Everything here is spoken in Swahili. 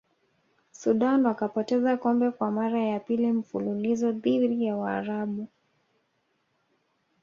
sudan wakapoteza kombe kwa mara ya pili mfululizo dhidi ya waarabu